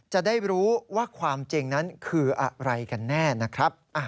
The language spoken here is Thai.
จะได้รู้ว่าความจริงนั้นคืออะไรกันแน่นะครับ